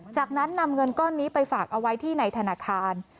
จากนั้นนำเงินก้อนนี้ไปฝากเอาไว้ที่ในธนาคาร